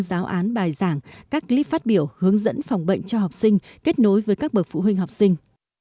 giáo án bài giảng các clip phát biểu hướng dẫn phòng bệnh cho học sinh kết nối với các bậc phụ huynh học sinh